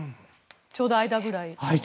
ちょうど間ぐらい。